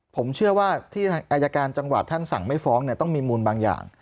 ผมเชื่อว่าที่อายการจังหวัดท่านสั่งไม่ฟ้องต้องมีมูลบางอย่าง